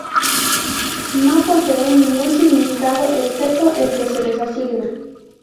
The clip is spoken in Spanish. No poseen ningún significado, excepto el que se les asigna.